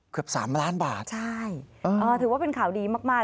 เกือบ๓ล้านบาทใช่ถือว่าเป็นข่าวดีมากมาก